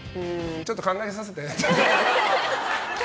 ちょっと考えさせてって。